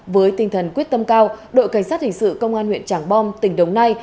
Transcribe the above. với tinh thần quyết tâm cao đội cảnh sát hình sự công an huyện trảng bom tỉnh đồng nai